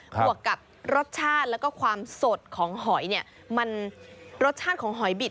บวกกับรสชาติแล้วก็ความสดของหอยเนี่ยมันรสชาติของหอยบิด